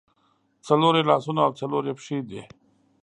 څلور یې لاسونه او څلور یې پښې دي.